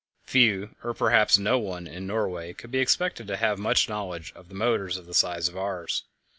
Few, or perhaps no one, in Norway could be expected to have much knowledge of motors of the size of ours.